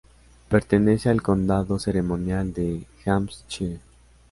Pertenece al condado ceremonial de Hampshire.